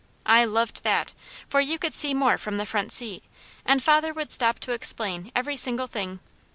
I loved that, for you could see more from the front seat, and father would stop to explain every single thing.